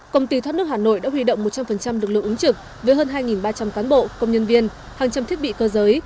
công ty thoát nước hà nội đã huy động một trăm linh lực lượng ứng trực với hơn hai ba trăm linh cán bộ công nhân viên hàng trăm thiết bị cơ giới